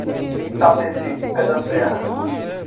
Itapecerica da Serra